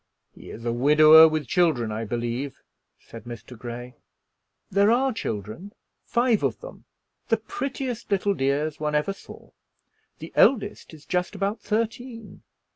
"He is a widower with children, I believe?" said Mr. Grey. "There are children five of them; the prettiest little dears one ever saw. The eldest is just about thirteen."